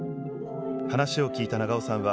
話を聞いた長尾さんは、